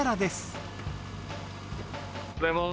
おはようございます。